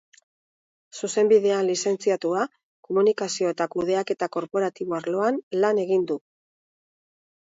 Zuzenbidean lizentziatua, komunikazio eta kudeaketa korporatibo arloan lan egin du.